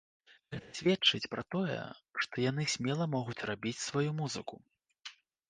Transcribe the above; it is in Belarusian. Гэта сведчыць пра тое, што яны смела могуць рабіць сваю музыку.